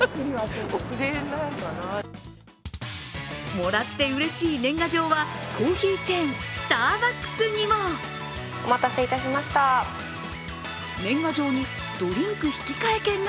もらってうれしい年賀状は、コーヒーチェーン、スターバックスコーヒーにも。